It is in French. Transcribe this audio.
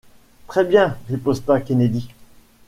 Très bien, riposta Kennedy.